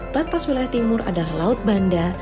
batas wilayah timur adalah laut banda